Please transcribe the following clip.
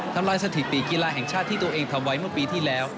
ทำลายสถิติกีฬาแห่งชาติที่ตัวเองทำไว้เมื่อปีที่แล้ว